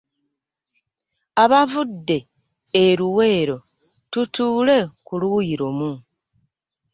Abavudde e Luweero tutuule ku luuyi lumu.